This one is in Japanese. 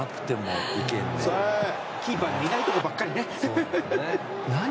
キーパーのいないところばっかりね。